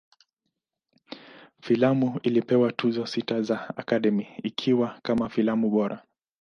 Filamu ilipewa Tuzo sita za Academy, ikiwa kama filamu bora.